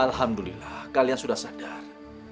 alhamdulillah kalian sudah sadar